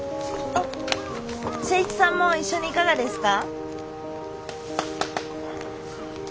あっ誠一さんも一緒にいかがですか？